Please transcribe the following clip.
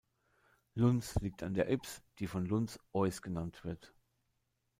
Lunz liegt an der Ybbs, die vor Lunz "Ois" genannt wird.